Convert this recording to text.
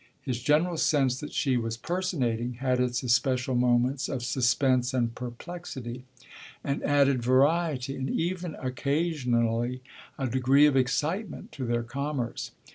His general sense that she was personating had its especial moments of suspense and perplexity, and added variety and even occasionally a degree of excitement to their commerce.